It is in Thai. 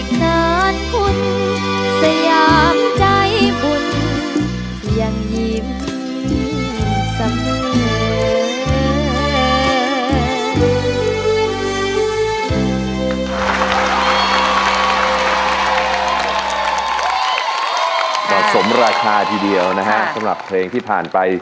ท่านอยู่ต่อได้อีกนานคุณ